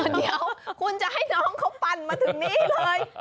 เดี๋ยวคุณจะให้น้องเขาปั่นมาถึงนี่เลย